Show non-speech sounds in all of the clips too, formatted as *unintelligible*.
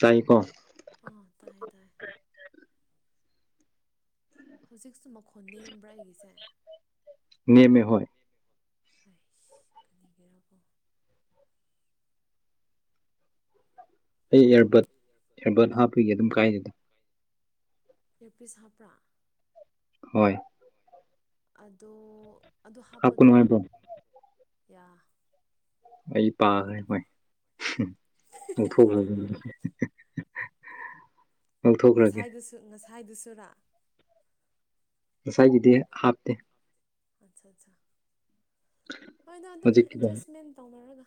ꯇꯥꯏꯀꯣ ꯑꯥ ꯇꯥꯏꯌꯦ ꯇꯥꯏ ꯍꯧꯖꯤꯛꯁꯨ ꯃꯈꯣꯟ ꯅꯦꯝꯕ꯭ꯔꯥ ꯑꯩꯒꯤꯁꯦ ꯑꯩ ꯅꯦꯝꯃꯦ ꯍꯣꯏ ꯀꯅꯤꯒꯦꯔꯥꯀꯣ ꯑꯩ ꯏꯌꯥꯔꯕꯠ ꯏꯌꯥꯔꯕꯠ ꯍꯥꯞꯄꯒꯤ ꯑꯗꯨꯝ ꯀꯥꯏꯅꯤꯗ ꯇꯄꯤꯤꯁ ꯍꯥꯞꯔ ꯍꯣꯏ ꯑꯗꯣ ꯑꯗꯨ ꯍꯥꯞꯀꯅꯨ ꯍꯥꯞꯄꯗꯣ ꯍꯥꯏꯕ꯭ꯔꯣ ꯌꯥ ꯑꯩ ꯄꯥꯈ꯭ꯔꯦ ꯍꯣꯏ ꯊ ꯉꯁꯥꯏꯗꯁꯨ ꯉ ꯊꯥꯏꯗꯨꯁꯨꯨꯔꯥ ꯉꯁꯥꯏꯒꯤꯗꯤ ꯍꯥꯞꯇꯦ ꯑꯠꯆꯥ ꯑꯠꯆꯥ ꯍꯣꯏꯗꯣ ꯑꯗꯨꯝ ꯍꯧꯖꯤꯛꯀꯤꯗꯣ ꯑꯦꯠꯖꯁꯃꯦꯟ ꯇꯧꯅꯔꯒ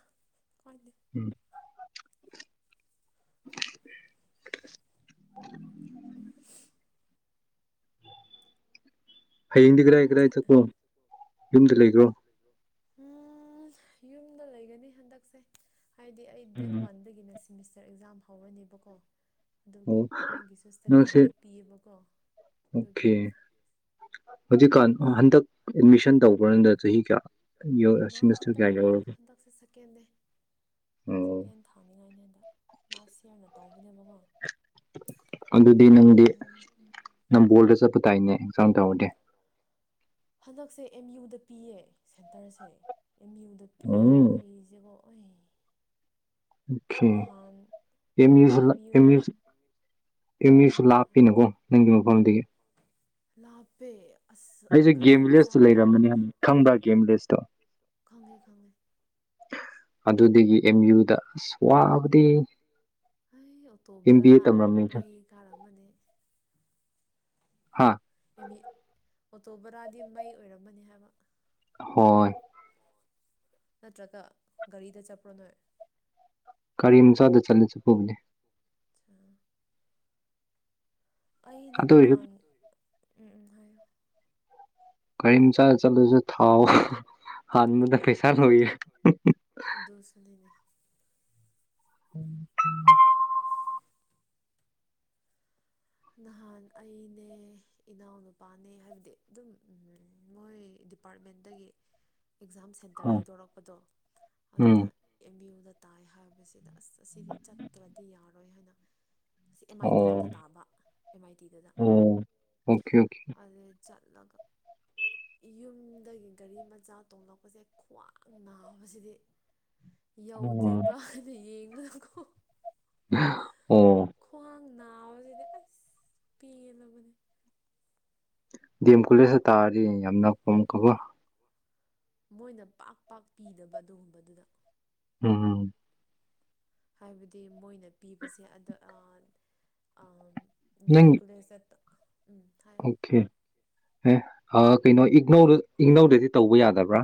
ꯍꯣꯏꯗ ꯎꯝ *unintelligible* *inaudible* ꯍꯥꯏꯕꯗꯤ *unintelligible* ꯌꯨꯝꯗ ꯂꯩ ꯒꯔꯣ ꯎꯝ ꯌꯨꯝꯗ ꯂꯩꯒꯅꯤ ꯍꯟꯗꯛꯁꯦ ꯍꯥꯏꯗꯤ ꯑꯩ ꯗꯦꯠ ꯋꯥꯟꯗꯒꯤ ꯅꯁꯤꯦ ꯁꯤꯃꯤꯁꯇꯔ ꯑꯦꯛꯖꯥꯝ ꯍꯧꯔꯅꯦꯕꯀꯣ ꯑꯗꯨꯒꯤ ꯑꯣ ꯑꯩꯒꯤꯁꯨ ꯏꯁꯇꯗꯤ ꯅꯪꯁꯦ ꯕ꯭ꯔꯦꯛ ꯄꯤꯌꯦꯕꯀꯣ ꯑꯗꯨꯒꯤ ꯑꯣꯀꯦ ꯍꯧꯖꯤꯛꯀꯥꯟ ꯍꯟꯗꯛ ꯑꯦꯗꯃꯤꯁꯟ ꯇꯧꯕ꯭ꯔ ꯅꯪꯗꯣ ꯆꯍꯤ ꯀꯌꯥ ꯅ ꯁꯤꯃꯤꯁꯇꯔ ꯍꯟꯗꯛ ꯀꯌꯥ ꯌꯧꯔꯒꯦ ꯍꯟꯗꯛꯁꯦꯀꯀꯦꯟ ꯑꯣ ꯊꯥꯅꯤꯡꯉꯥꯏꯅꯦ ꯍꯟꯗꯛ ꯂꯥꯁꯔ ꯇꯧꯕꯅꯦ ꯃꯃꯥ ꯑꯗꯨꯗꯤ ꯅꯪꯗꯤ ꯅꯝꯕꯣꯜ ꯗ ꯆꯠꯄ ꯇꯥꯏꯅꯦ ꯑꯦꯛꯖꯝ ꯇꯧꯍꯗꯦ ꯍꯟꯗꯛꯁꯦ ꯑꯦꯝ ꯌꯨꯗ ꯄꯤꯌꯦ ꯁꯦꯟꯇꯔꯁꯦ ꯑꯦꯝ ꯌꯨꯗ ꯑꯣ ꯄꯤꯔꯕ ꯑꯩꯁꯦꯕꯣ ꯑꯣꯏ ꯑꯣꯀꯦ ꯑꯦꯝ ꯌꯨꯁꯨ ꯑꯦꯝ ꯌꯨ ꯑꯦꯝ ꯎꯝ ꯌꯨꯁꯨ ꯎꯝ ꯂꯥꯞꯄꯤꯅꯀꯣ ꯅꯪꯒꯤ ꯃꯐꯝꯗꯒꯤ ꯂꯄꯦ ꯑꯩꯁꯦ ꯒꯦꯝ ꯚꯤꯂꯦꯖꯇ ꯂꯩꯔꯝꯕꯅꯤ ꯈꯪꯕ꯭ꯔ ꯒꯦꯝ ꯚꯤꯂꯦꯖꯇꯣ ꯐꯝꯕꯁꯦ ꯈꯪꯉꯦ ꯈꯪꯉꯦ ꯑꯗꯨꯗꯒꯤ ꯑꯦꯝ ꯌꯨꯗ ꯑꯁ ꯋꯥꯕꯗꯤ ꯑꯩ ꯑꯦꯝ ꯑꯣꯇꯣꯕ ꯕꯤ ꯑꯦ ꯇꯝꯔꯝꯃꯤꯗ ꯃꯒꯤ ꯀꯥꯔ ꯑꯃꯅꯦ ꯍꯥ ꯑꯣꯇꯣ ꯕꯔꯥꯗꯤ ꯃꯩ ꯑꯣꯏꯔꯝꯃꯅꯤ ꯍꯥꯏꯕ ꯍꯣꯏ ꯅꯠꯇ꯭ꯔꯒ ꯒꯥꯔꯤꯗ ꯆꯠꯄ꯭ꯔꯣ ꯅꯣꯏ ꯒꯥꯔꯤ ꯃꯆꯥꯗ ꯆꯠꯂꯁꯨ ꯄꯨꯕꯅꯦ ꯆꯥ ꯑꯩꯗꯤ ꯑꯗꯨ ꯑꯣꯏꯔꯁꯨ ꯅꯍꯥꯟ ꯎꯝ ꯎꯝ ꯍꯥꯏꯌ‌ꯣ ꯀꯩꯝ ꯆꯥ ꯆꯠꯂꯨꯁꯨ ꯊꯥꯎ ꯍꯥꯟꯕꯗ ꯄꯩꯁꯥ ꯂꯣꯏ ꯑꯗꯨꯁꯨꯅꯤꯅꯦ *unintelligible* ꯅꯍꯥꯟ ꯑꯩꯅꯦ ꯏꯅꯥꯎꯅꯨꯄꯥꯅꯦ ꯍꯥꯏꯕꯗꯤ ꯑꯗꯨꯝ ꯃꯣꯏ ꯗꯤꯄꯥꯔꯠꯃꯦꯟꯇꯒꯤ ꯑꯦꯛꯖꯥꯝ ꯁꯦꯟꯇꯔ ꯍꯥꯏꯗꯣꯔꯛꯄꯗꯣ ꯎꯝ ꯑꯗꯨꯗ ꯑꯦꯝ ꯌꯨꯗ ꯇꯥꯏ ꯍꯥꯏꯕꯁꯤꯗ ꯑꯁ ꯑꯁꯤꯗꯤ ꯆꯠꯇ꯭ꯔꯗꯤ ꯌꯥꯔꯣꯏ ꯍꯥꯏꯅ ꯁꯤ ꯑꯦꯝ ꯑꯥꯏ ꯑꯣ ꯇꯤꯗꯨꯗ ꯇꯥꯕ ꯑꯦꯝ ꯑꯥꯏ ꯇꯤꯗꯨꯗ ꯑꯣ ꯑꯣꯀꯦ ꯑꯣꯀꯦ ꯑꯗꯨ ꯆꯠꯂꯒ ꯌꯨꯝꯗꯒꯤ ꯒꯥꯔꯤ ꯃꯆꯥ ꯇꯣꯡꯂꯛꯄꯁꯦ ꯈ꯭ꯋꯥꯡ ꯅꯥꯕꯁꯤꯗꯤ ꯑꯣ ꯌꯧꯗ꯭ꯔꯤꯕꯅ ꯌ‌ꯦꯡ *unintelligible* ꯀ‌ꯣ *unintelligible* ꯑꯣ ꯅꯥꯕꯁꯤꯗꯤ ꯑꯁ ꯄ‌ꯦꯜꯂꯕꯅꯦ ꯗꯦꯝ ꯀ‌ꯣꯂ‌ꯦꯖꯇ ꯇꯥꯔꯗꯤ ꯌꯥꯝꯅ ꯀꯣꯝ ꯀꯕꯣ ꯃꯣꯏꯅ ꯄꯥꯛ ꯄꯥꯛ ꯄꯤꯗꯕ ꯑꯗꯨꯒꯨꯝꯕꯗꯨꯗ ꯎꯝ ꯍꯥꯏꯕꯗꯤ ꯃꯣꯏꯅ ꯄꯤꯕꯁꯦ ꯑꯗ ꯑ ꯑ ꯅꯪ ꯗꯤꯑꯦꯝ ꯀꯨꯂ‌ꯦꯁꯇ ꯑꯣꯀꯦ ꯑꯦ ꯥꯑ ꯀꯩꯅꯣ ꯏꯒ‌ꯣꯔ ꯏꯪꯒꯅꯧꯗꯗꯤ ꯇꯧꯕ ꯌꯥꯗꯕ꯭ꯔꯥ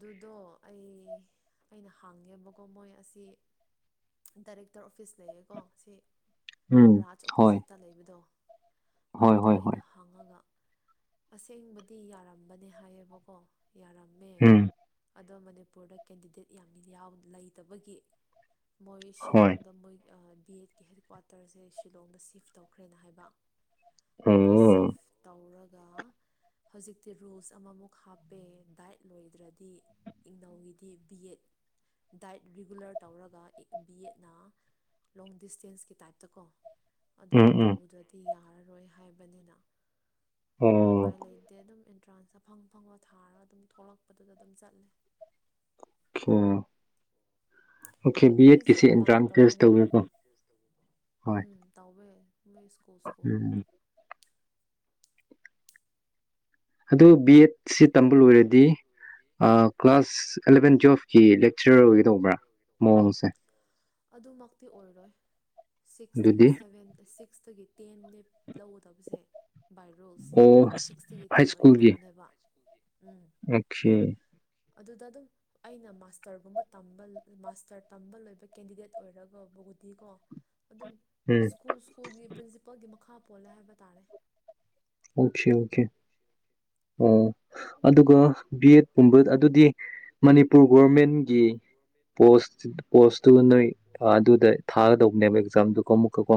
ꯑꯗꯨꯗꯣ ꯑꯩ ꯑꯩꯅ ꯍꯥꯡꯉꯦꯕꯀꯣ ꯃꯣꯏ ꯑꯁꯤ ꯗꯥꯏꯔꯦꯛꯇꯔ ꯑꯣꯐꯤꯁ ꯂꯩꯌꯦꯀꯣ ꯁꯤ ꯎꯝ ꯔꯥꯖ ꯍꯣꯏ ꯑꯣꯄꯣꯖꯤꯠꯇ ꯂꯩꯕꯗꯣ ꯍꯣꯏ ꯑꯗꯨꯗ ꯍꯣꯏ ꯍꯣꯏ ꯑꯩꯅ ꯍꯥꯡꯉꯒ ꯑꯁꯦꯡꯕ ꯑꯗꯨ ꯌꯥꯔꯝꯕꯅꯦ ꯍꯥꯏꯌꯦꯕꯀꯣ ꯌꯥꯔꯝ ꯎꯝ ꯑꯗꯣ ꯃꯅꯤꯄꯨꯔꯗ ꯀꯦꯟꯗꯤꯗꯦꯠ ꯌꯥꯝ ꯌꯥꯎ ꯂꯩꯇꯕꯒꯤ ꯃꯣꯏ ꯍꯣꯏ ꯁꯤꯂꯣꯡꯗ ꯃꯣꯏ ꯑ ꯕꯤ ꯑꯦꯗꯀꯤ ꯍꯦꯗꯀ꯭ꯋꯥꯇꯔꯁꯦ ꯁꯤꯂꯣꯡꯗ ꯁꯤꯐ ꯇꯧꯈ꯭ꯔꯦꯅ ꯍꯥꯏꯕ ꯑꯗꯣ ꯑꯣ ꯁꯤꯐ ꯇꯧꯔꯒ ꯗ ꯍꯧꯖꯤꯛꯇꯤ ꯔꯨꯜꯁ ꯑꯃꯃꯨꯛ ꯍꯥꯞꯄꯦ ꯗꯥꯏꯠ ꯂꯣꯏꯗ꯭ꯔꯗꯤ ꯏꯪꯅꯧꯒꯤꯗꯤ ꯕꯤ ꯑꯦꯠ ꯗꯥꯏꯠ ꯔꯤꯒꯨꯂꯔ ꯇꯧꯔꯒ ꯕꯤ ꯑꯦꯠꯅ ꯂꯣꯡ ꯗꯤꯁꯇꯦꯟꯁꯀꯤ ꯇꯥꯏꯞꯇ ꯀꯣ ꯑꯗꯣ ꯎꯝ ꯎꯝ ꯇꯧꯗ꯭ꯔꯗꯤ ꯌꯥꯔꯅꯤ ꯌꯥꯔꯣꯏ ꯍꯥꯏꯕꯅꯤꯅ ꯑꯗꯨ ꯎꯄꯥꯏ ꯑꯣꯀꯦ ꯂꯩ ꯑꯗꯨꯝ ꯑꯦꯟꯇ꯭ꯔꯥꯟꯁꯇ ꯐꯪ ꯐꯪꯕ ꯊꯥꯔꯒ ꯑꯗꯨꯝ ꯊꯣꯛꯂꯛꯄꯗꯨꯗ ꯑꯗꯨꯝ ꯆꯠꯂꯦ ꯑ ꯑꯣꯀꯦ ꯕꯤ ꯑꯩꯁꯨ ꯑꯦꯠꯀꯤꯁꯤ ꯄ꯭ꯂꯥꯟ ꯑꯦꯟꯇ꯭ꯔꯥꯟꯁ ꯇꯦꯁ ꯇꯧꯕꯅꯦꯕ ꯇꯧꯋꯦꯀꯣ ꯍꯣꯏ ꯃ ꯏꯁꯀꯣꯜ ꯁꯀꯣꯒꯦ ꯎꯝ ꯑꯗꯨ ꯕꯤ ꯑꯦꯗꯁꯤ ꯇꯝꯕ ꯂꯣꯏꯔꯗꯤ ꯀ꯭ꯂꯥꯁ ꯑꯦꯂꯚꯦꯟ ꯇꯨꯋꯦꯜꯐꯀꯤ ꯆꯤꯔꯒ ꯇꯧꯕ꯭ꯔꯥ ꯃꯑꯣꯡꯁꯦ ꯁꯤꯛꯁꯒꯤ ꯑꯗꯨꯗꯤ ꯁꯦꯚꯦꯟꯇ ꯁꯤꯛꯁ ꯁꯒꯤ ꯇꯦꯟ ꯗꯦ ꯂꯧꯒꯗꯕꯁꯦ ꯕꯥꯏ ꯔꯣꯜꯁ ꯑꯣ ꯁꯤꯛꯁꯇꯒꯤ ꯇꯦꯟ ꯑꯣꯏꯒꯗꯕꯅꯦꯕ ꯎꯝ ꯑꯆꯦ ꯑꯗꯨꯗ ꯑꯗꯨꯝ ꯑꯩꯅ ꯃꯥꯁꯇꯔꯒꯨꯝꯕ ꯝꯕ ꯃꯥꯁꯇꯔ ꯇꯝꯕ ꯂꯣꯏꯕ ꯀꯦꯟꯗꯤꯗꯦꯠ ꯑꯣꯏꯔꯒꯕꯨꯕꯨꯗꯤꯀꯣ ꯑꯗꯨꯝ ꯎꯝ ꯁ꯭ꯀꯨꯜ ꯁ꯭ꯀꯨꯜꯒꯤ ꯄ꯭ꯔꯤꯟꯁꯤꯄꯜꯒꯤ ꯃꯈꯥ ꯄꯣꯜꯂꯦ ꯍꯥꯏꯕ ꯇꯥꯔꯦ ꯑꯣꯀꯦ ꯑꯣꯀꯦ ꯑꯣ ꯑꯗꯨꯒ ꯕꯤ ꯑꯦꯠꯀꯨꯝꯕ ꯑꯗꯨꯗꯤ ꯃꯅꯤꯄꯨꯔ ꯒꯣꯔꯚꯃꯦꯟꯒꯤ ꯄꯣꯁ ꯄꯣꯁꯇꯨ ꯅꯣꯏ ꯑꯥ, ꯑꯗꯨꯗ ꯊꯥꯒꯗꯧꯕꯅꯦꯕ ꯎꯝ ꯑꯦꯛꯖꯥꯝꯗꯨꯀꯣ ꯑꯃꯨꯛꯀꯀꯣ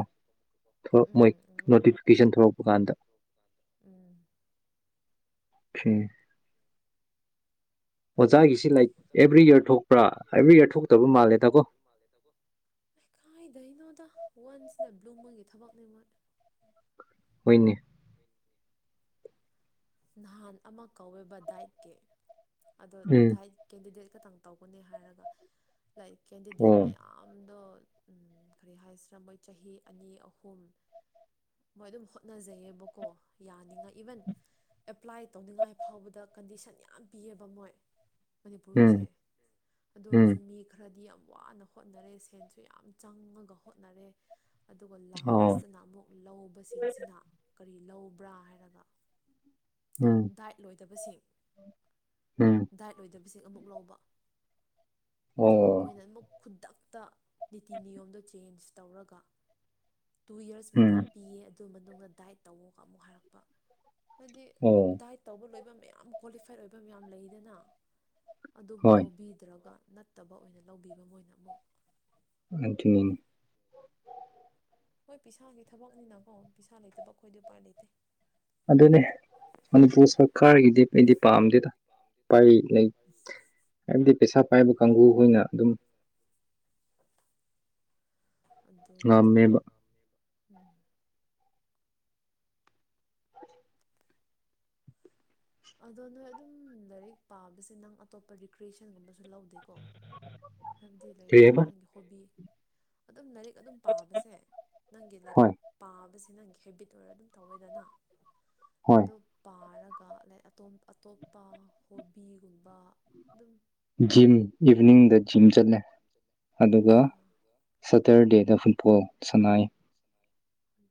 ꯊꯣꯔꯛ- ꯃꯣꯏ ꯅꯣꯇꯤꯐꯤꯀꯦꯁꯟ ꯊꯣꯛꯂꯛꯄ ꯀꯥꯟꯗ ꯎꯝ ꯎ ꯊꯣꯛꯄ꯭ꯔꯥ ꯑꯦꯕ꯭ꯔꯤ ꯌꯔ ꯊꯣꯛꯇꯕ ꯃꯥꯜꯂꯦꯗꯀꯣ ꯈꯗꯅ ꯑꯣ ꯋꯥꯟꯁꯅ ꯕ꯭ꯂꯨꯝꯃꯒꯤ ꯊꯕꯛꯅꯦ ꯃꯠ ꯍꯅꯤꯅꯤ ꯅꯍꯥꯟ ꯑꯃ ꯀꯧꯋꯦꯕ ꯗꯥꯏꯠꯀꯤ ꯑꯗꯣ ꯎꯝ ꯗꯥꯥꯏ ꯀꯦꯟꯗꯤꯗꯦꯠ ꯈꯤꯇꯪ ꯇꯧꯒꯅꯤ ꯍꯥꯏꯔꯒ ꯂꯥꯏꯔꯤꯛ ꯀꯦꯟꯗꯤꯗꯦꯠ ꯑꯣ ꯃꯌꯥꯝꯗꯣ ꯀꯔꯤ ꯍꯥꯏꯁꯤꯔꯥ ꯃꯣꯏ ꯆꯍꯤ ꯑꯅꯤ ꯑꯍꯨꯝ ꯃꯣꯏ ꯑꯗꯨꯝ ꯍꯣꯠꯅꯖꯩꯑꯕꯀꯣ ꯌꯥꯅꯤꯉꯥꯏ ꯏꯚꯟ ꯑꯦꯄ꯭ꯂꯥꯏ ꯇꯧꯅꯤꯡꯉꯥꯏ ꯐꯥꯎꯕꯗ ꯀꯟꯗꯤꯁꯟ ꯌꯥꯝ ꯄꯤꯌꯦꯕ ꯃꯣꯏ ꯎꯝ ꯃꯅꯤꯄꯨꯔꯒꯤꯁꯦ ꯑꯗꯨ ꯎꯝ ꯑꯣꯏꯔꯁꯨ ꯃꯤ ꯈꯔꯗꯤ ꯌꯥꯝ ꯋꯥꯅ ꯍꯣꯠꯅꯔꯦ ꯁꯦꯟꯁꯨ ꯌꯥꯝ ꯆꯪꯉꯒ ꯍꯣꯠꯅꯔꯦ ꯑꯗꯨꯒ ꯑꯣ ꯂꯥꯁꯇꯅ ꯑꯃꯨꯛ ꯂꯧꯕꯁꯤꯡꯁꯤꯅ ꯀꯔꯤ ꯂꯧꯕ꯭ꯔꯥ ꯍꯥꯏꯔꯒ ꯎꯝ ꯗ ꯂꯣꯏ ꯐꯠꯇꯕꯁꯤꯡ ꯎꯝ ꯗꯥꯏꯠ ꯑꯣꯏꯗꯕꯁꯤꯡ ꯑꯃꯨꯛ ꯂꯧꯕ ꯑꯣ ꯑꯗꯨꯒ ꯃꯣꯏꯅ ꯑꯃꯨꯛ ꯈꯨꯗ ꯇ ꯅꯤꯇꯤ ꯅꯤꯌꯣꯝꯗꯣ ꯆꯦꯟꯖ ꯇꯧꯔꯒ ꯇꯨ ꯌꯔꯁ ꯎꯝ ꯃꯇꯝ ꯄꯤꯌꯦ ꯑꯗꯨ ꯃꯅꯨꯡꯗ ꯗꯥꯏꯠ ꯇꯧꯋꯒ ꯑꯃꯨꯛ ꯍꯥꯏꯔꯛꯄ ꯍꯥꯏꯗꯤ ꯑꯣ ꯗꯥꯏꯠ ꯇꯧꯕ ꯂꯣꯏꯕ ꯃꯌꯥꯝ ꯀ꯭ꯋꯥꯂꯤꯐꯥꯏꯠ ꯑꯣꯏꯕ ꯃꯌꯥꯝ ꯂꯩꯗꯅ ꯑꯗꯨꯕꯨ ꯍꯣꯏ ꯂꯧꯕꯤꯗ꯭ꯔꯒ ꯅꯠꯇꯕ ꯑꯣꯏꯅ ꯂꯧꯕꯤꯕ ꯃꯣꯏꯅ ꯑꯃꯨꯛ ꯑꯗꯨꯇꯅꯤꯅꯤ ꯍꯣꯏ ꯄꯁꯥꯒꯤ ꯊꯕꯛꯅꯤꯅꯀꯣ ꯄꯩꯁꯥ ꯂꯩꯇꯕ ꯑꯩꯈꯣꯏꯗꯤ ꯎꯄꯥꯏ ꯂꯩꯇꯦ ꯑꯗꯨꯅꯦ ꯃꯅꯤꯄꯨꯔ ꯁꯔꯀꯥꯔꯒꯤꯗꯤ ꯑꯩꯗꯤ ꯄꯥꯝꯗꯦꯗ ꯄ ꯂꯩ ꯍꯥꯏꯕꯗꯤ ꯄꯩꯁꯥ ꯄꯥꯏꯕ ꯀꯥꯡꯕꯨꯈꯅ ꯑꯗꯨꯝ ꯑꯗꯨꯕꯨꯗꯤ ꯉꯃꯦꯕ ꯎꯝ ꯑꯗꯣ ꯅꯣꯏ ꯑꯗꯨꯝ ꯂꯥꯏꯔꯤꯛ ꯄꯥꯕꯁꯦ ꯅꯪ ꯑꯇꯣꯞꯄ ꯔꯤꯀ꯭ꯔꯤꯌꯦꯁꯟꯒꯨꯝꯕꯁꯨ ꯂꯧꯗꯦꯀꯣ ꯍꯥꯏꯕꯗꯤ ꯀꯔꯤ ꯂꯩꯗꯅ ꯍꯥꯏꯕ ꯅꯪꯒꯤ ꯍꯣꯕꯤ ꯑꯗꯨ ꯅ ꯑꯗꯨꯝ ꯄꯥꯕꯁꯦ ꯅꯪꯒꯤ ꯂꯥꯏꯔꯤꯛ ꯍꯣꯏ ꯄꯥꯕꯁꯦ ꯁꯤ ꯅꯪꯒꯤ ꯍꯦꯕꯤꯠ ꯑꯣꯏꯔꯒ ꯑꯗꯨꯝ ꯇꯧꯋꯦꯗꯅ ꯍꯣꯏ ꯑꯣ ꯄꯥꯔꯒ ꯀꯂꯦ ꯑꯇꯣꯞꯄ ꯍꯣꯕꯤꯒꯨꯝꯕ ꯑꯗꯨꯝ ꯖꯤꯝ ꯅꯪ ꯏꯚꯤꯅꯤꯡꯗ ꯖꯤꯝ ꯑꯠꯆꯥ ꯆꯠꯂꯦ ꯑꯗꯨꯒ ꯑꯠꯆꯥ ꯁꯇꯔꯗꯦꯗ ꯐꯨꯠꯕꯣꯜ ꯁꯅꯥꯏ ꯑꯝ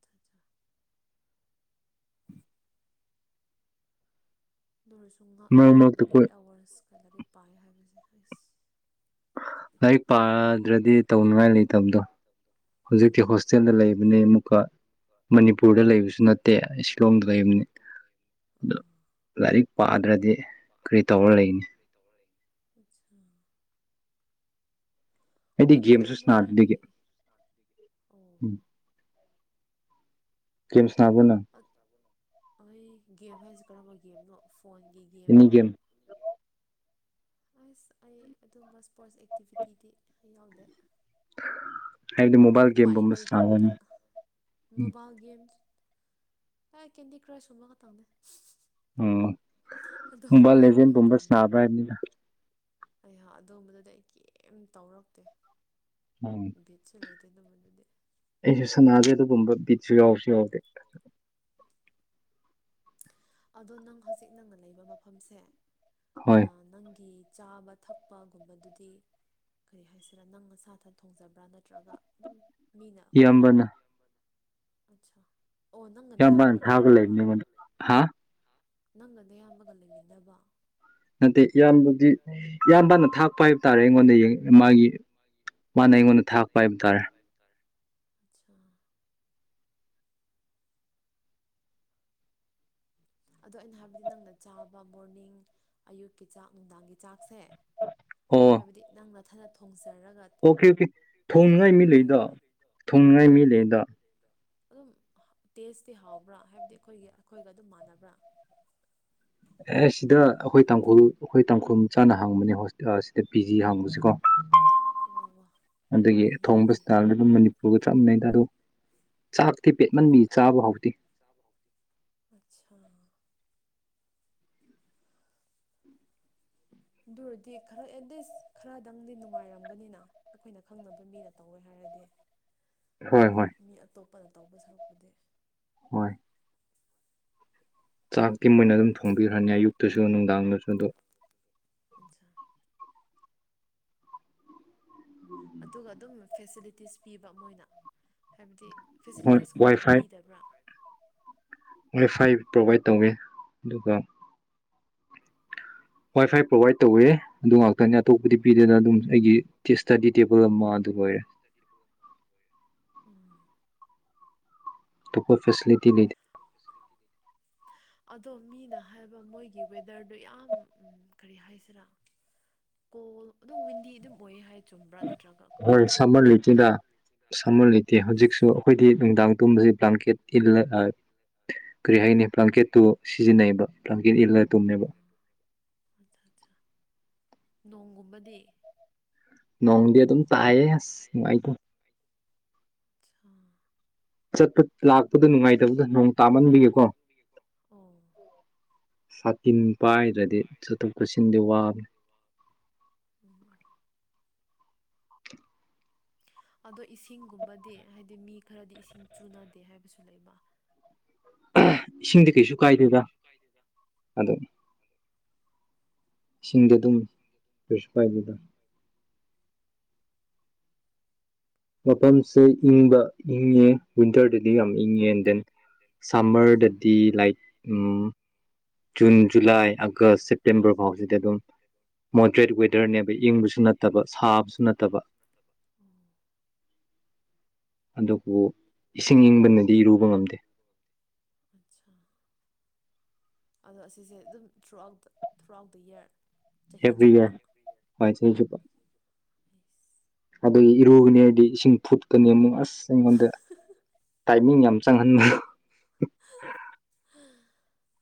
ꯑꯗꯨ ꯑꯣꯏꯔꯁꯨ ꯉꯥꯛꯑꯦ ꯃꯔꯛ ꯃꯔꯛꯇ ꯑꯣꯏꯅ ꯑꯩꯠ ꯑꯩꯈꯣꯏ ꯑꯋꯥꯋꯔꯁ ꯂꯥꯏꯔꯤꯛ ꯄꯥꯏ ꯍꯥꯏꯕꯁꯦ ꯑꯩꯁ ꯂꯥꯏꯔꯤꯛ ꯄꯥꯗ꯭ꯔꯗꯤ ꯇꯧꯅꯉꯥꯏ ꯂꯩꯇꯕꯗꯣ ꯍꯧꯖꯤꯛꯇꯤ ꯎꯝ ꯍꯣꯁꯇꯦꯜꯗ ꯂꯩꯕꯅꯤ ꯑꯃꯨꯛꯀ ꯃꯅꯤꯄꯨꯔꯗ ꯂꯩꯕꯁꯨ ꯅꯠꯇꯦ ꯁꯤꯂꯣꯝꯗ ꯂꯩꯕꯅꯤ ꯎꯝ ꯂꯥꯏꯔꯤꯛ ꯄꯥꯑꯗ꯭ꯔꯗꯤ ꯀꯔꯤ ꯇꯧꯔ ꯂꯩꯅꯤ ꯑ ꯑꯩꯗꯤ ꯒꯦꯝꯁꯨ ꯁꯥꯟꯅꯗꯦ ꯑꯣ ꯒꯦꯝ *unintelligible* ꯑꯠ ꯑꯩ ꯒꯦꯝ ꯍꯥꯏꯁꯤ ꯀꯔꯝꯕ ꯒꯦꯝꯅꯣ ꯐꯣꯟꯒꯤ ꯑꯦꯅꯤ ꯒꯦꯝꯔꯣ ꯒꯦꯝ ꯑꯁ ꯑꯩ ꯑꯗꯨꯝꯕ ꯏꯁꯄꯣꯔꯠꯁ ꯑꯦꯛꯇꯤꯚꯤꯇꯤꯗꯤ ꯑꯩ ꯌꯥꯎꯗꯦ ꯍꯥꯏꯕꯗꯤ ꯃꯣꯕꯥꯏꯜ ꯎꯄꯥꯏ ꯒꯦꯝꯒꯨꯝꯕ ꯂꯩꯇꯕꯗ ꯁꯅꯥꯕ꯭ꯔꯅ ꯃꯣꯕꯥꯏꯜ ꯒꯦꯝꯁ ꯑꯦ ꯀꯦꯟꯗꯤ ꯀ꯭ꯔꯁꯀꯨꯝꯕ ꯈꯇꯪꯅꯦ ꯎꯝ ꯃꯣꯕꯥꯏꯜ ꯂꯦꯖꯦꯟꯒꯨꯝꯕ ꯁꯥꯅꯕ꯭ꯔꯥ ꯍꯥꯏꯕꯅꯤꯗ ꯑꯩꯌꯥ ꯑꯗꯨꯝꯕꯗꯨꯗꯤ ꯑꯩ ꯀꯔꯤꯝ ꯇꯧꯔꯛꯇꯦ ꯎꯝ ꯕꯤꯠꯁꯨ ꯂꯩꯇꯦ ꯑꯗꯨꯝꯕꯗꯨꯗꯤ ꯑꯩꯁꯨ ꯁꯥꯟꯅꯗꯦ ꯑꯗꯨꯒꯨꯝꯕ ꯕꯤꯠ ꯁꯤꯥꯎ ꯁꯤꯥꯎ ꯑꯗꯣ ꯅꯪ ꯍꯧꯖꯤꯛ ꯅꯪꯅ ꯂꯩꯕ ꯃꯐꯝꯁꯦ ꯑ ꯍꯣꯏ ꯅꯪꯒꯤ ꯆꯥꯕ ꯊꯛꯄꯒꯨꯝꯕꯗꯨꯗꯤ ꯀꯔꯤ ꯍꯥꯏꯁꯤꯔꯥ ꯅꯪ ꯑꯁꯥꯗ ꯊꯣꯡꯖꯕ꯭ꯔꯥ ꯅꯠꯇ꯭ꯔꯒ ꯑꯗꯨꯝ ꯌꯥꯝꯕꯅ ꯑꯆꯥ ꯌꯥꯝꯅ ꯊꯥꯒ ꯂꯩꯕꯅꯤ ꯍꯥ *inaudible* ꯅꯠꯇꯦ ꯏꯌꯥꯝꯕꯗꯤ ꯏꯌꯥꯝꯕꯅ ꯊꯥꯛꯄ ꯍꯥꯏꯕ ꯇꯥꯔꯦ ꯑꯩꯉꯣꯟꯗ ꯃꯥꯒꯤ ꯃꯥꯅ ꯑꯩꯉꯣꯟꯗ ꯊꯥꯛ ꯄꯥꯏꯕ ꯇꯥꯔ ꯑꯆꯥ ꯑꯗꯣ ꯑꯩꯅ ꯍꯥꯏꯕꯗꯤ ꯅꯪꯅ ꯆꯥꯕ ꯃꯣꯔꯅꯤꯡ ꯑꯌꯨꯛꯀꯤ ꯆꯥꯛ ꯅꯨꯡꯗꯥꯡꯒꯤ ꯆꯥꯛꯁꯦ ꯑꯩꯅ ꯑꯣ ꯍꯥꯏꯕꯗꯤ ꯅꯪꯅ ꯊꯅ ꯊꯣꯡꯖꯩ ꯑꯣꯀꯦ ꯑꯣꯀꯦ ꯊꯣꯡꯅꯉꯥꯏ ꯃꯤ ꯂꯩꯗ ꯍꯥꯏꯕ ꯊꯣꯡꯅꯤꯡꯉꯥꯏ ꯃꯤ ꯂꯩꯩꯗ ꯑꯗꯨꯝ ꯇꯦꯁꯇꯤ ꯍꯥꯎꯕ꯭ꯔꯥ ꯍꯥꯏꯕꯗꯤ ꯑꯩꯈꯣꯏꯒꯤ ꯑꯩꯈꯣꯏꯒ ꯑꯗꯨꯝ ꯃꯥꯟꯅꯕ꯭ꯔꯥ ꯑꯦ ꯁꯤꯗ ꯑꯩꯈꯣꯏ ꯇꯥꯡꯈꯨꯜ ꯑꯩꯈꯣꯏ ꯇꯥꯡꯈꯨꯜ ꯆꯥꯅ ꯍꯥꯡꯕꯅꯦ ꯍ ꯁꯤꯗ ꯄꯤ ꯖꯤ ꯍꯥꯡꯉꯨꯕꯁꯤꯀꯣ ꯋꯥ ꯋꯥ ꯌꯥꯝ ꯑꯗꯨꯒꯤ ꯐꯩꯅꯦ ꯊꯣꯡꯕ ꯑꯗꯨꯗꯤ ꯏꯁꯇꯥꯜꯗ ꯑꯗꯨꯝ ꯃꯅꯤꯄꯨꯔꯒ ꯆꯞ ꯃꯥꯟꯅꯩꯗ ꯑꯗꯨ ꯆꯥꯛ ꯊꯤꯄꯦꯠꯃꯟꯕꯤ ꯆꯥꯕ ꯍꯧꯥꯎꯗꯦ ꯑꯠꯁꯥ ꯑꯗꯨꯔꯗꯤ ꯈꯔ ꯑꯦꯠꯂꯤꯁ ꯈꯔꯗꯪꯗꯤ ꯅꯨꯡꯉꯥꯏꯔꯝꯒꯅꯤꯅ ꯑꯩꯈꯣꯏꯅ ꯈꯪꯅꯕ ꯃꯤꯅ ꯇꯧꯋꯦ ꯍꯥꯏꯔꯗꯤ ꯍꯣꯏ ꯍꯣꯏ ꯐꯅ ꯇꯧꯕ ꯁꯔꯛꯄꯗꯤ ꯍꯣꯏ ꯆꯥꯛꯇꯤ ꯃꯣꯏ ꯑꯣꯏꯅ ꯑꯗꯨꯝ ꯊꯣꯡꯕꯤꯈ꯭ꯔꯅꯤ ꯑꯌꯨꯛꯇꯁꯨ ꯅꯨꯡꯗꯥꯡꯗꯁꯨ ꯑꯗꯨꯝ ꯑꯆꯥ ꯑꯗꯨꯒ ꯑꯗꯨꯝ ꯐꯦꯁꯤꯂꯤꯇꯤꯁ ꯄꯤꯕ ꯃꯣꯏꯅ ꯍꯥꯏꯕꯗꯤ ꯍꯣꯏ ꯐꯦꯁꯤꯂꯤꯇꯤꯁꯀꯨꯝꯕ ꯋꯥꯏ ꯀꯩꯝ ꯐꯥꯏ ꯄꯤꯗꯕ꯭ꯔꯥ ꯋꯥꯏ ꯐꯥꯏ ꯄ꯭ꯔꯣꯚꯏꯠ ꯇꯧꯋꯤ ꯑꯗꯨꯒ ꯋꯥꯏ ꯐꯥꯏ ꯄ꯭ꯔꯣꯚꯏꯗ ꯇꯧꯋꯦ ꯑꯗꯨ ꯉꯥꯛꯇꯅꯤ ꯑꯇꯣꯞꯄꯗꯤ ꯄꯤꯗꯅ ꯑꯗꯨꯝ ꯑꯩꯒꯤ ꯏꯁꯇꯗꯤ ꯇꯦꯕꯜ ꯑꯃ ꯑꯗꯨ ꯑꯣꯏꯔꯦ ꯎꯝ ꯇꯈꯣꯏ ꯐꯦꯁꯂꯤꯇꯤ ꯂꯩꯗꯦ ꯑꯗꯣ ꯃꯤꯅ ꯍꯥꯏꯕ ꯃꯣꯏꯒꯤ ꯋꯦꯗꯔꯗꯣ ꯌꯥꯝ ꯎ ꯀꯔꯤ ꯍꯥꯏꯁꯤꯔꯥ ꯀꯣꯜ ꯑꯗꯨꯝ ꯋꯤꯟꯗꯤ ꯑꯗꯨꯝ ꯑꯣꯏ ꯍꯥꯏ ꯆꯨꯝꯕ꯭ꯔꯥ ꯅꯠꯇ꯭ꯔꯒ ꯍꯣꯏ ꯀꯃꯥꯏꯅ ꯁꯃꯟ ꯇꯧꯕ꯭ꯔꯥꯀꯣ ꯂꯩꯇꯦꯗ ꯁꯃꯟ ꯂꯩꯇꯦ ꯍꯧꯖꯤꯛꯁꯨ ꯑꯩꯈꯣꯏꯗꯤ ꯅꯨꯡꯗꯥꯡ ꯇꯨꯝꯕꯁꯤ ꯕ꯭ꯂꯥꯡꯀꯦꯠ ꯀꯔꯤ ꯍꯥꯏꯅꯤ ꯄ꯭ꯂꯥꯡꯀꯦꯠꯇꯣ ꯁꯤꯖꯤꯟꯅꯩꯕ ꯄ꯭ꯂꯥꯡ ꯏꯜꯂꯥ ꯇꯨꯅꯦ ꯇꯨꯝꯃꯦꯕ ꯑꯠꯆꯥ ꯑꯠꯆꯥ ꯅꯣꯡꯒꯨꯝꯕꯗꯤ ꯅꯣꯡꯗꯤ ꯑꯗꯨꯝ ꯆꯥꯏꯌꯦ ꯑꯥꯥꯁ ꯅꯨꯡꯉꯥꯏꯇꯣ *unintelligible* ꯆꯠꯄ ꯂꯥꯛ ꯗꯨ ꯅꯨꯡꯉꯥꯏꯇꯕꯗ ꯅꯣꯡ ꯇꯥꯃꯟꯕꯤꯒꯦꯀꯣ ꯑꯣ ꯏꯤꯟ ꯄꯥꯏꯗ꯭ꯔꯗꯤ ꯆꯠꯊꯣꯛ ꯆꯠꯁꯤꯟꯗꯤ ꯋꯥꯕꯦ ꯎꯝ ꯑꯗꯣ ꯏꯁꯤꯡꯒꯨꯝꯕꯗꯤ ꯍꯥꯏꯕꯗꯤ ꯃꯤ ꯈꯔꯗꯤ ꯏꯁꯤꯡ ꯆꯨꯅꯗꯦ ꯍꯥꯏꯕꯁꯨ ꯂꯩꯕ ꯏꯁꯤꯡꯗꯤ ꯀꯩꯁꯨ ꯀꯥꯏꯗꯦꯗ ꯑꯗꯣ ꯏꯁꯤꯡꯗ ꯑꯗꯨꯝ ꯀꯩꯁꯨꯀꯥꯏꯗꯨꯗ ꯃꯐꯝꯁꯦ ꯏꯪꯕ ꯏꯪꯉꯦ ꯋꯤꯟꯇꯔꯗꯗꯤ ꯌꯥꯝ ꯏꯪꯉꯦ ꯑꯦꯟ ꯗꯦꯟ ꯁꯝꯃꯔꯗꯗꯤ like June July August September ꯐꯥꯎꯁꯤꯗꯤ ꯑꯗꯨꯝ ꯃꯣꯗꯔꯦꯠ ꯋꯦꯗꯔꯅꯦꯕ ꯏꯪꯕꯁꯨ ꯅꯠꯇꯕ ꯁꯥꯕꯁꯨ ꯅꯠꯇꯕ ꯑꯣ ꯑꯗꯨꯕꯨ ꯏꯁꯤꯡ ꯏꯪꯕꯅꯗꯤꯔꯨꯕ ꯉꯝꯗꯦ ꯑꯠꯆꯥ ꯑꯗꯣ ꯑꯁꯤꯁꯦ ꯑꯗꯨꯝ throughout the throughout the year ꯆꯍꯤ ꯑꯦꯕꯔꯤ ꯆꯨꯞꯄ ꯌꯦꯔꯥ ꯑꯩꯁ ꯑꯗꯒꯤ ꯏꯔꯨꯒꯅꯤ ꯍꯥꯏꯗꯤ ꯏꯁꯤꯡ ꯐꯨꯠꯀꯅꯤ ꯑꯃꯨꯛ ꯑꯁ ꯏꯁꯤꯡꯁꯤꯗ ꯇꯥꯏꯃꯤꯡ ꯌꯥꯝ ꯆꯪꯍꯟꯕ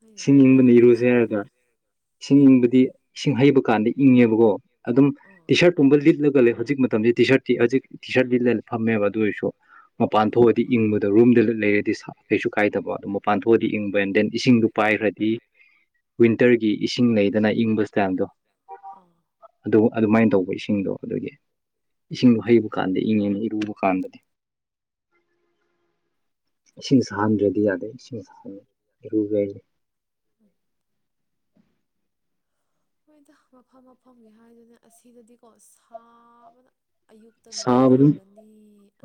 ꯍꯣꯏꯅꯦꯀꯣ ꯏꯁꯤꯡ ꯏꯪꯕꯅꯤ ꯏꯪꯕꯁꯨ ꯏꯔꯨꯖꯔꯥꯒ ꯏꯁꯤꯡ ꯏꯪꯕꯗꯤ ꯏꯁꯤꯡ ꯍꯩꯕ ꯀꯥꯟꯗ ꯏꯪꯉꯦꯕꯒꯣ ꯑꯗꯨꯝ ꯑꯥ ꯏꯁꯥꯔꯠꯀꯨꯝꯕ ꯂꯤꯠꯂꯒ ꯂꯩ ꯍꯧꯖꯤꯛ ꯃꯇꯝꯗꯤ ꯇꯤ ꯁꯥꯔ꯭ꯠꯇꯤ ꯍꯧꯖꯤꯛ ꯇꯤ ꯁꯥꯔꯠ ꯂꯤꯠꯂꯒ ꯐꯝꯃꯦꯕ ꯑꯗꯨ ꯑꯣꯏꯁꯨ ꯃꯄꯥꯟ ꯑꯥ ꯊꯣꯛꯑꯗꯤ ꯏꯪꯕꯗ ꯔꯨꯝꯗ ꯂꯩꯔꯗꯤ ꯁꯥ ꯀꯩꯁꯨ ꯀꯥꯏꯗꯕ ꯑꯗꯨꯝ ꯃꯄꯥꯟ ꯊꯣꯛꯑꯗꯤ ꯏꯪꯕ ꯗꯦꯟ ꯏꯁꯤꯡꯗꯨ ꯐꯥꯗꯤ ꯋꯤꯟꯇꯔꯒꯤ ꯏꯁꯤꯡ ꯂꯩꯗꯅ ꯏꯪꯕ ꯆꯥꯡꯗꯣ ꯑꯥ ꯑꯗꯨ ꯑꯗꯨꯃꯥꯏ ꯇꯧꯕ ꯏꯁꯤꯡꯗꯣ ꯑꯗꯨꯒꯤ ꯏꯁꯤꯡꯗꯣ ꯍꯩꯕ ꯎꯝ ꯀꯥꯟꯗ ꯏꯪꯉꯦꯅ ꯏꯔꯨꯕ ꯀꯥꯟꯗꯗꯤ ꯏꯁꯤꯡ ꯁꯥꯍꯟꯗ꯭ꯔꯥꯗꯤ ꯌꯥꯗꯦ ꯏꯁꯤꯡ ꯑꯁꯥꯕꯅ ꯏꯔꯨꯒꯦ ꯎ *inaudible* ꯍꯣꯏꯗ ꯃꯐꯝ ꯃꯐꯝꯒꯤ ꯍꯥꯏꯗꯅꯦ ꯑꯁꯤꯗꯗꯤꯀꯣ ꯁꯥꯕꯅ ꯑꯌꯨꯛꯇ ꯅꯣꯡ ꯇꯥꯒꯅꯤ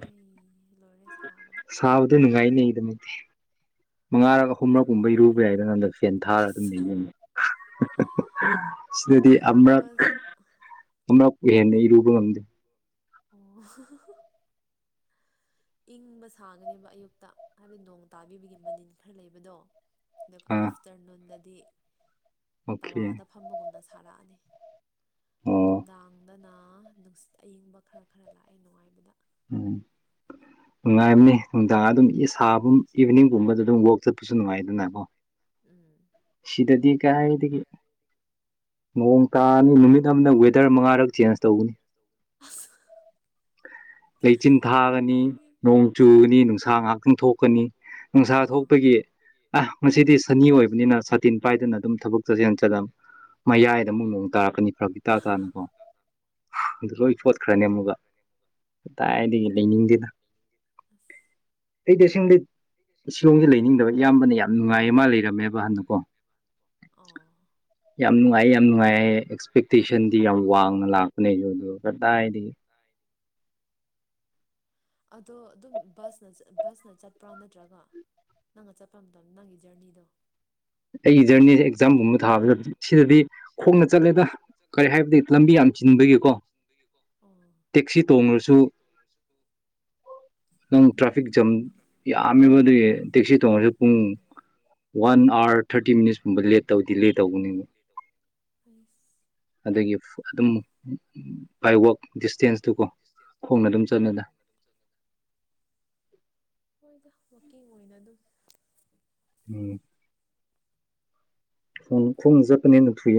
ꯑꯩꯅꯦ ꯁꯥꯕꯗꯨ ꯅꯨꯡꯉꯥꯏꯅꯦ ꯑꯗꯨꯝ ꯃꯉꯥꯔꯛ ꯍꯣꯏ ꯍꯨꯝꯕ ꯀꯨꯝꯕ ꯏꯔꯨꯕ ꯌꯥꯏꯗ ꯍꯟꯗꯛ ꯐꯦꯟ ꯊꯥꯔꯒ ꯑꯗꯨꯝ ꯑꯁ ꯂꯩꯅꯤ *inaudible* ꯁꯤꯗꯨꯗꯤ ꯏꯪꯕ ꯑꯃꯛ- ꯑꯃꯛ ꯍꯦꯟꯅ ꯏꯔꯨꯕ ꯉꯝꯗꯦ ꯋꯣꯍꯨ-ꯍꯨ-ꯍꯨ ꯏꯪꯕ ꯁꯥꯒꯅꯤꯕ ꯑꯌꯨꯛꯇ ꯍꯥꯏꯗꯤ ꯅꯣꯡ ꯇꯥꯕꯤꯕꯒꯤ ꯃꯅꯤꯟ ꯈꯔ ꯂꯩꯕꯗꯣ ꯑꯥ ꯑꯥꯐꯇꯔꯅꯨꯟꯗ ꯗꯤ ꯑꯣꯀꯦ ꯇꯋꯥꯗ ꯐꯝꯕꯒꯨꯝꯅ ꯊꯥꯔꯛꯑꯅꯤ *inaudible* ꯑꯣ ꯅꯨꯡꯗꯥꯡꯗꯅ ꯅꯨꯡꯁꯤꯠ ꯑꯌꯤꯡꯕ ꯈꯔ ꯈꯔ ꯂꯥꯛꯑꯦ ꯅꯨꯡꯉꯥꯏꯕꯗ *unintelligible* ꯎꯝ ꯅꯨꯡꯉꯥꯏꯝꯅꯤ ꯅꯨꯡꯗꯥꯡ ꯑꯗꯨꯝ ꯏꯁ ꯑꯥꯕꯨꯝ ꯏꯚꯤꯅꯤꯡꯒꯨꯝꯕꯗ ꯑꯗꯨꯝ ꯋꯛ ꯆꯠꯁꯨ ꯅꯨꯡꯉꯥꯏꯗꯅ ꯎꯝ ꯁꯤꯗꯗꯤ ꯀꯥꯏꯗꯒꯤ ꯅꯣꯡ ꯇꯥꯅꯤ ꯅꯨꯡꯉꯥꯏ ꯅꯨꯃꯤꯠ ꯑꯃꯗ ꯋꯦꯗꯔ ꯃꯉꯥꯔꯛ ꯆꯦꯟꯖ ꯇꯧꯒꯅꯤ ꯑꯁ ꯂꯩꯆꯤꯟ ꯊꯥꯒꯅꯤ ꯅꯣꯛꯅꯤꯡꯉꯦ ꯅꯣꯡ ꯆꯨꯒꯅꯤ ꯅꯨꯡꯁꯥ ꯉꯥꯛ ꯄꯣꯡꯊꯣꯛꯀꯅꯤ ꯅꯨꯡꯁꯥ ꯑꯥ ꯑꯁ ꯊꯣꯛꯄꯒꯤ ꯑꯥ ꯉꯁꯤꯗꯤ ꯁꯥꯅꯤ ꯑꯣꯏꯕꯅꯤꯅ ꯁꯥꯇꯤꯟ ꯄꯥꯏꯗꯅ ꯑꯗꯨꯝ ꯊꯕꯛ ꯆꯠꯁꯦꯅ ꯆꯠꯂ ꯃꯌꯥꯏꯗ ꯑꯃꯨꯛ ꯅꯣꯡ ꯇꯥꯔꯛꯀꯅꯤ ꯐꯔꯛ ꯏꯇꯥ ꯇꯥꯅꯥꯀꯣ ꯑꯗꯨ ꯂꯣꯏ ꯆꯣꯠꯈ꯭ꯔꯅꯤ ꯑꯃꯨꯛꯀ ꯀꯥꯏꯗꯒꯤ ꯂꯩꯅꯤꯡꯗꯦꯗ ꯍꯗꯤ *unintelligible* ꯁꯤꯂꯣꯡꯖꯣꯗꯤ ꯂꯩꯅꯤꯡꯗꯕ ꯏꯌꯥꯝꯕꯅ ꯌꯥꯝ ꯅꯨꯡꯉꯥꯏꯌꯦ ꯃꯥ ꯂꯩꯔꯝꯃꯦꯕ ꯍꯟꯅꯀꯣ ꯑꯣ ꯌꯥꯝ ꯅꯨꯡꯉꯥꯏꯌꯦ ꯌꯥꯝ ꯅꯨꯡꯉꯥꯏ ꯑꯦꯛꯁꯄꯦꯛꯇꯦꯁꯟꯗꯤ ꯌꯥꯝ ꯋꯥꯡꯅ ꯂꯥꯛꯄꯅꯦꯁꯨ ꯑꯗꯨ ꯀꯗꯥꯏꯗꯤ ꯑꯗꯣ ꯑꯗꯨꯝ ꯕꯁꯅ ꯕꯁꯅ ꯆꯠꯄ꯭ꯔꯥ ꯅꯠꯇ꯭ꯔꯒ ꯅꯪꯅ ꯆꯠꯄ ꯃꯇꯝꯗ ꯅꯪꯒꯤ ꯖꯔꯅꯤꯗꯣ ꯑꯩꯒꯤ ꯖꯔꯅꯤꯁꯦ ꯑꯦꯛꯖꯥꯝꯒꯨꯝꯕ ꯊꯥꯕꯗ ꯁꯤꯗꯗꯤ ꯈꯣꯡꯅ ꯆꯠꯂꯦꯗ ꯀꯔꯤ ꯍꯥꯏꯕꯗꯤ ꯂꯝꯕꯤ ꯌꯥꯝ ꯆꯤꯟꯕꯒꯤꯀꯣ ꯑꯣ ꯅꯪ ꯇꯦꯛꯁꯤ ꯇꯣꯡꯉꯨꯔꯁꯨ ꯅꯪ ꯇ꯭ꯔꯥꯐꯤꯛ ꯖꯥꯝ ꯌꯥꯝꯃꯦꯕ ꯑꯗꯨꯒꯤ ꯇꯦꯛꯁꯤ ꯇꯣꯡꯉꯁꯨ ꯄꯨꯡ ꯋꯥꯟ ꯑꯥꯋꯥꯔ ꯊꯥꯔꯇꯤ ꯃꯤꯅꯤꯠꯁꯀꯨꯝꯕ ꯂꯦꯠ ꯇꯧꯗꯤ ꯂꯦ ꯇꯧꯧꯕꯅꯦꯕ ꯑꯩꯁ ꯑꯗꯒꯤ ꯑꯗꯨꯝ ꯕꯥꯏꯋꯥꯛ ꯗꯤꯁꯇꯦꯟꯁꯇꯨꯀꯣ ꯈꯣꯡꯅ ꯑꯗꯨꯝ ꯎꯝ ꯆꯠꯅꯗ ꯋꯀꯤꯡ ꯑꯣꯏꯅ ꯑꯗꯨꯝ ꯎꯝ ꯈꯣꯡ ꯈꯣꯡꯖꯄꯅꯤꯅ ꯐꯨꯏ